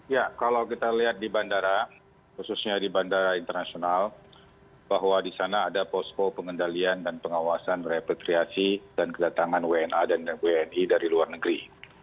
ya kalau kita lihat di bandara khususnya di bandara internasional bahwa di sana ada posko pengendalian dan pengawasan repatriasi dan kedatangan wna dan wni dari luar negeri